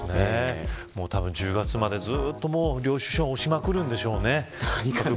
１０月までずっと領収証押しまくるんでしょうね。